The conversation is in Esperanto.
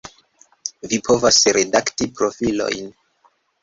Vi povas redakti profilojn